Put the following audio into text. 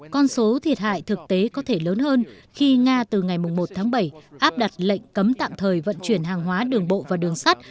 con số thiệt hại thực tế có thể lớn hơn khi nga từ ngày một tháng bảy áp đặt lệnh cấm tạm thời vận chuyển hàng hóa đường bộ và đường sắt